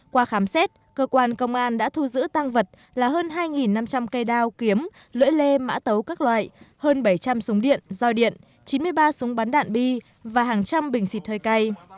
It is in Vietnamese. qua khám xét cơ quan công an đã thu giữ tăng vật là hơn hai năm trăm linh cây đao kiếm lưỡi lê mã tấu các loại hơn bảy trăm linh súng điện roi điện chín mươi ba súng bắn đạn bi và hàng trăm bình xịt hơi cay